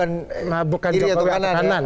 anda bukan jokowi ke kanan